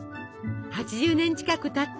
８０年近くたった